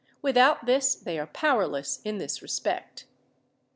Without this they are powerless in this respect.